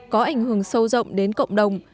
có ảnh hưởng sâu rộng đến cộng đồng